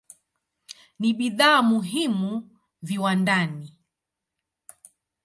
Ni bidhaa muhimu viwandani.